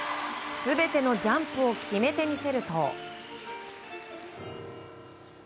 全てのジャンプを決めてみせると。